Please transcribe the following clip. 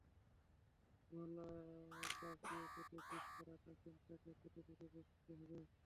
গোল চাঁছ দিয়ে কেটে গ্রিজ করা মাফিন কাপে চেপে চেপে বসাতে হবে।